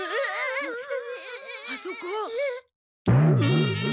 あそこ！